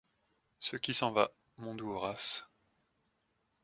Ce qui s'en va, mon doux Horace